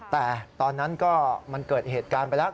แต่ตอนนั้นก็มันเกิดเหตุการณ์ไปแล้ว